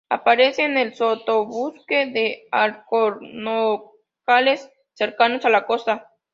Aparece en el sotobosque de alcornocales cercanos a la costa.